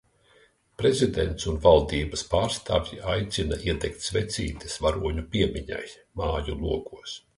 Prezidents un valdības pārstāvji aicina iedegt svecītes varoņu piemiņai māju logos.